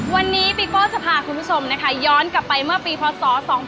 วันนี้ปีโป้จะพาคุณผู้ชมนะคะย้อนกลับไปเมื่อปีพศ๒๕๖